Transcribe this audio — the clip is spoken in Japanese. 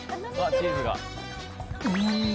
チーズが。